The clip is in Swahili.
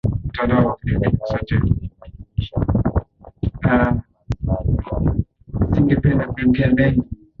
Serikali imebainisha majukumu ya mamlaka mbali mbali za usimamizi wa mazingira